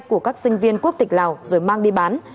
của các sinh viên quốc tịch lào rồi mang đi bán